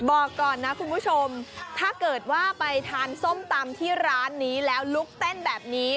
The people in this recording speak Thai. บอกก่อนนะคุณผู้ชมถ้าเกิดว่าไปทานส้มตำที่ร้านนี้แล้วลุกเต้นแบบนี้